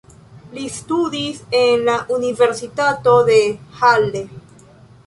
Li studis en la Universitato de Halle.